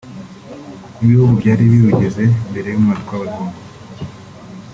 n’ibihugu byari birugize mbere y’umwaduko w’Abazungu